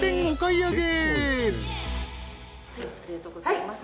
ありがとうございます。